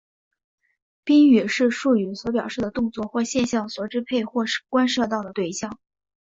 宾语是述语所表示的动作或现象所支配或关涉到的对象。